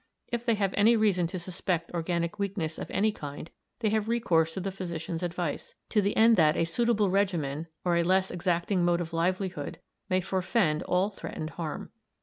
If they have any reason to suspect organic weakness of any kind, they have recourse to the physician's advice, to the end that a suitable regimen, or a less exacting mode of livelihood, may forefend all threatened harm.